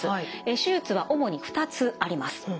手術は主に２つあります。